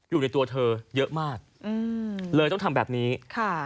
อยู่ในตัวเธอเยอะมากอืมเลยต้องทำแบบนี้ค่ะ